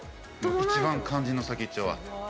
一番肝心な先っちょは。